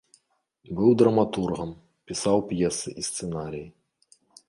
Быў драматургам, пісаў п'есы і сцэнарыі.